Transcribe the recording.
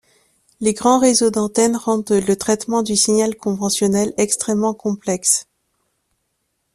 Les grands réseaux d'antennes rendent le traitement du signal conventionnel extrêmement complexe.